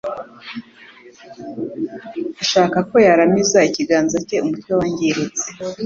ashaka uko yaramiza ikiganza cye umutwe wangiritse,